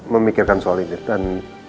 memikirkan soal ini dan